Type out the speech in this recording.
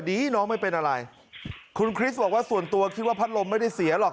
น้องไม่เป็นอะไรคุณคริสบอกว่าส่วนตัวคิดว่าพัดลมไม่ได้เสียหรอก